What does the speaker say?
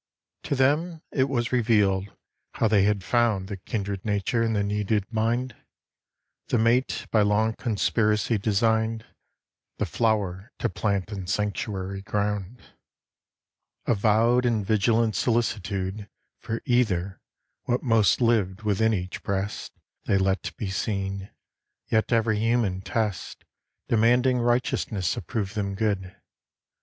To them it was revealed how they had found The kindred nature and the needed mind; The mate by long conspiracy designed; The flower to plant in sanctuary ground. Avowed in vigilant solicitude For either, what most lived within each breast They let be seen: yet every human test Demanding righteousness approved them good.